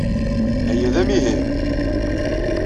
Aya d amihi!